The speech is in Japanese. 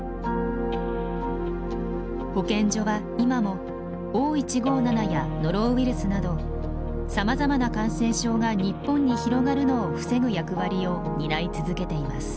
保健所は今もＯ１５７やノロウイルスなどさまざまな感染症が日本に広がるのを防ぐ役割を担い続けています。